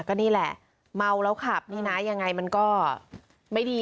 ก็นี่แหละเมาแล้วขับนี่นะยังไงมันก็ไม่ดี